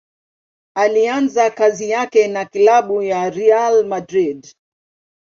Alianza kazi yake na klabu ya Real Madrid.